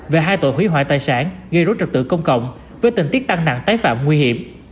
về hai tội hủy hoại tài sản gây rối trật tự công cộng với tình tiết tăng nặng tái phạm nguy hiểm